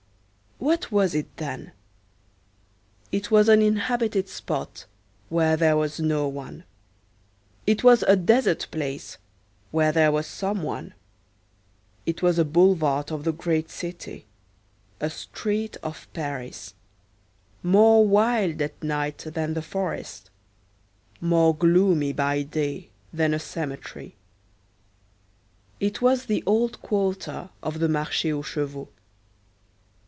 What was it, then? It was an inhabited spot where there was no one; it was a desert place where there was some one; it was a boulevard of the great city, a street of Paris; more wild at night than the forest, more gloomy by day than a cemetery. It was the old quarter of the Marché aux Chevaux.